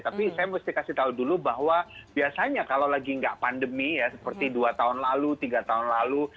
tapi saya mesti kasih tahu dulu bahwa biasanya kalau lagi nggak pandemi ya seperti dua tahun lalu tiga tahun lalu